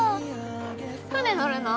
船乗るの？